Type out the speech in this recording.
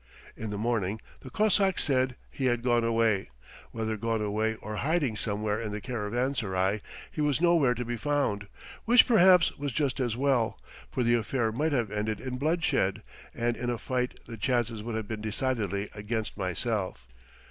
In the morning, the cossacks said he had gone away; whether gone away or hiding somewhere in the caravanserai, he was nowhere to be found; which perhaps was just as well, for the affair might have ended in bloodshed, and in a fight the chances would have been decidedly against myself.